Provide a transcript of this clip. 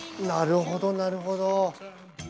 なるほどなるほど。